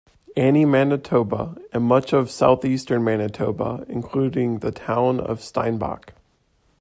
Anne, Manitoba and much of southeastern Manitoba, including the town of Steinbach.